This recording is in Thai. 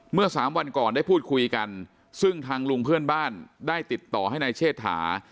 สามวันก่อนได้พูดคุยกันซึ่งทางลุงเพื่อนบ้านได้ติดต่อให้นายเชษฐา